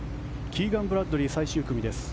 キーガン・ブラッドリー最終組です。